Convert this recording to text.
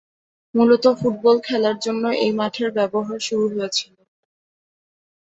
মুলত ফুটবল খেলার জন্য এই মাঠের ব্যবহার শুরু হয়েছিল।